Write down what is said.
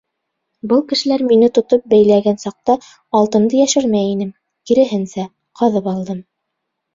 Был кешеләр мине тотоп бәйләгән саҡта, алтынды йәшермәй инем, киреһенсә, ҡаҙып алдым.